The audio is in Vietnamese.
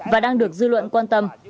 và đang được dư luận quan tâm